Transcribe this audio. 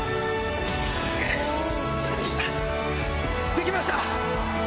できました！